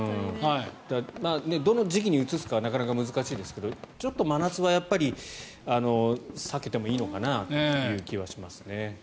だからどの時期に移すかはなかなか難しいですけどちょっと真夏は避けてもいいのかなという気はしますね。